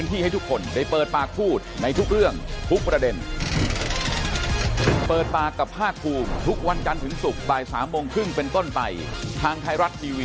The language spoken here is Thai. ทางมหาวิทยาลัย